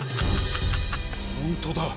本当だ！